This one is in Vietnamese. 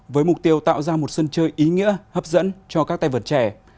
với mục tiêu tạo ra một sân chơi ý nghĩa hấp dẫn cho các tay vật trẻ